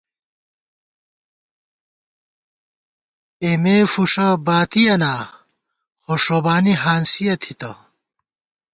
اېمے فُݭہ باتِیَنا خو ݭوبانی ہانسِیَہ تھِتہ